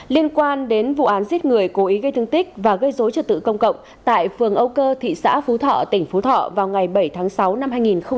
liên quan đến vụ án giết người cố ý gây thương tích và gây dối trật tự công cộng tại phường âu cơ thị xã phú thọ tỉnh phú thọ vào ngày bảy tháng sáu năm hai nghìn hai mươi ba